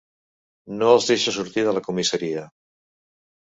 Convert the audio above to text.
No el deixa sortir de la comissaria.